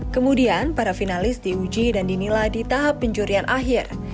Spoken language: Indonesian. kemudian para finalis diuji dan dinilai di tahap penjurian akhir